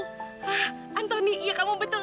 hah antoni iya kamu betul